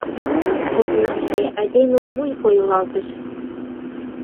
Окнаште айдеме вуй койылалтыш.